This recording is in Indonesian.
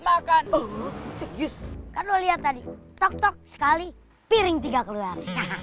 makan oh serious cara lah lihat tadi tok sekali piring tiga keluar